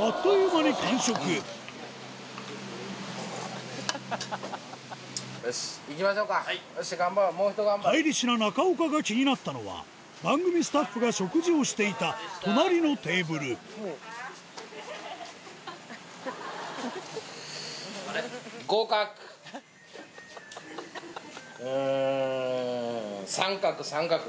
あっという間に完食帰りしな中岡が気になったのは番組スタッフが食事をしていた隣のテーブルうん三角三角。